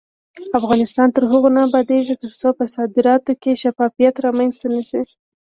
افغانستان تر هغو نه ابادیږي، ترڅو په صادراتو کې شفافیت رامنځته نشي.